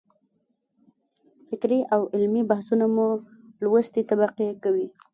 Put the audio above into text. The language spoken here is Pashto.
فکري او علمي بحثونه مو لوستې طبقې کوي.